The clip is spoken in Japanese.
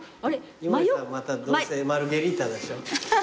井森さんまたどうせマルゲリータなんでしょ。